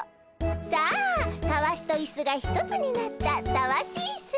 さあたわしとイスが一つになったたわしイス。